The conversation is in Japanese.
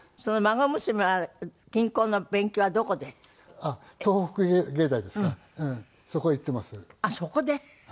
あっそこで。